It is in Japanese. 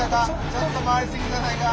ちょっと回り過ぎじゃないか。